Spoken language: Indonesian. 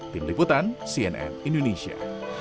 tim liputan cnn indonesia